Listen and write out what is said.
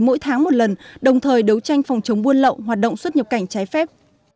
mỗi tháng một lần đồng thời đấu tranh phòng chống buôn lậu hoạt động xuất nhập cảnh trái phép